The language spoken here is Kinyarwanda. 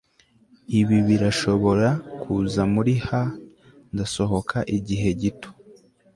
ibi birashobora kuza muri ha ndasohoka igihe gito